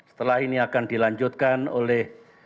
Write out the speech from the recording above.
setelah ini akan dilanjutkan oleh